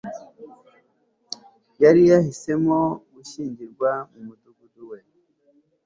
yari yahisemo gushyingirwa mu mudugudu we